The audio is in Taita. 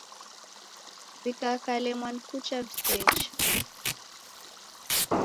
W'ikaka lemwa ni kucha w'iseche.